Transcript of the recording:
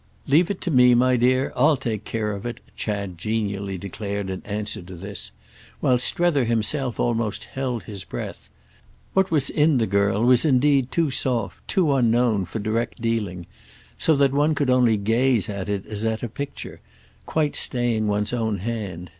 "Leave it to me, dear—I'll take care of it!" Chad genially declared in answer to this, while Strether himself almost held his breath. What was in the girl was indeed too soft, too unknown for direct dealing; so that one could only gaze at it as at a picture, quite staying one's own hand.